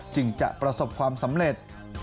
จึงจะประสบความสำเร็จ